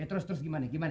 eh terus terus gimana